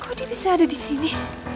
kok dia bisa ada disini